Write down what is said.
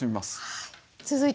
はい。